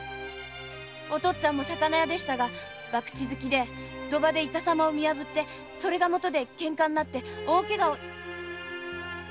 お父っつぁんも魚屋でしたがバクチ好きで賭場でイカサマ見破ってそれがもとで喧嘩になって大怪我を。